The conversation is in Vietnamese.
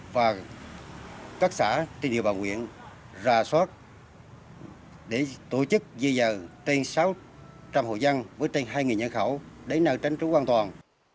và các xã tình yêu bà huyện ra soát để tổ chức di dời tên sáu trăm linh hộ dân với tên hai nhân khẩu để nào tránh trú an toàn